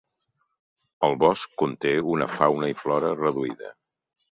El bosc conté una fauna i flora reduïda.